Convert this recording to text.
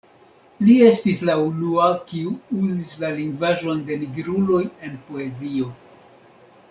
Li estis la unua kiu uzis la lingvaĵon de nigruloj en poezio.